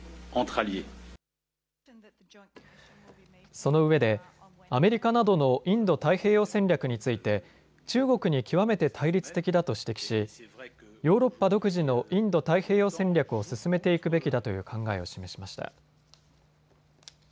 そのうえでアメリカなどのインド太平洋戦略について中国に極めて対立的だと指摘しヨーロッパ独自のインド太平洋戦略を進めていくべきだという考えを示しました。